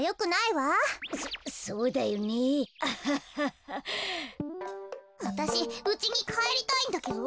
わたしうちにかえりたいんだけど。